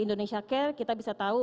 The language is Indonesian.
indonesia care kita bisa tahu